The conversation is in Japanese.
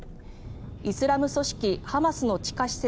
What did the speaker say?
イスラム組織ハマスの地下施設